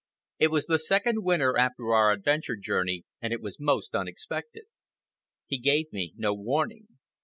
It was the second winter after our adventure journey, and it was most unexpected. He gave me no warning.